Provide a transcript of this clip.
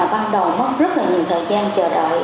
ban đầu mất rất là nhiều thời gian chờ đợi